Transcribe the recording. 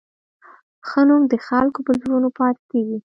ښه نوم د خلکو په زړونو پاتې کېږي.